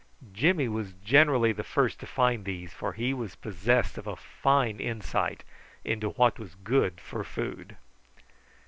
Jimmy was generally the first to find these, for he was possessed of a fine insight into what was good for food.